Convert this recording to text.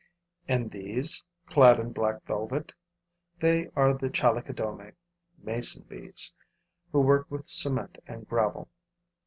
And these, clad in black velvet? They are Chalicodomae [mason bees], who work with cement and gravel.